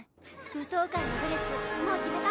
舞踏会のドレスもう決めた？